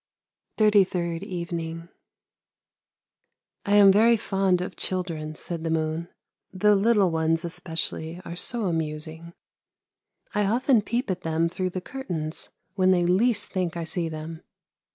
262 ANDERSEN'S FAIRY TALES THIRTY THIRD EVENING " I am very fond of children," said the moon, " the little ones especially are so amusing. I often peep at them through the curtains when they least think I see them.